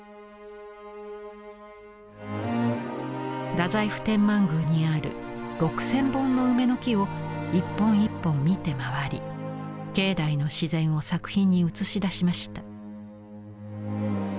太宰府天満宮にある６，０００本の梅の木を一本一本見て回り境内の自然を作品に映し出しました。